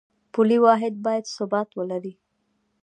پولي واحد باید ثبات ولري